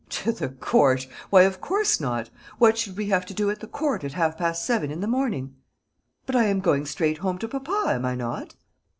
"To the Court! Why, of course not. What should we have to do at the Court at half past seven in the morning?" "But I am going straight home to papa, am I not?"